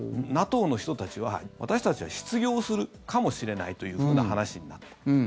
ＮＡＴＯの人たちは私たちは失業するかもしれないというふうな話になった。